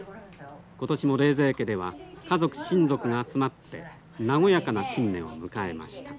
今年も冷泉家では家族・親族が集まって和やかな新年を迎えました。